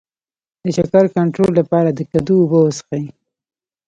د شکر کنټرول لپاره د کدو اوبه وڅښئ